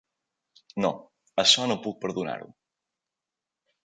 No, això no puc perdonar-ho.